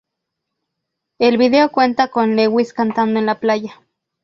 El video cuenta con Lewis cantando en la playa.